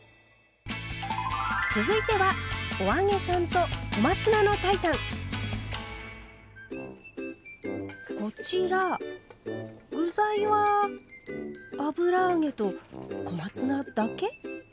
続いてはこちら具材は油揚げと小松菜だけ？